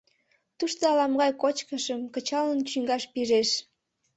Тушто ала-могай кочкышым кычалын чӱҥгаш пижеш.